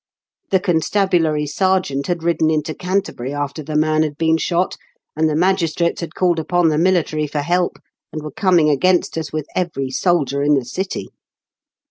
The constabulary sergeant had ridden into Canterbury, after the man had been shot, and the magistrates had called upon the military for help, and were coming against us with every soldier in the city.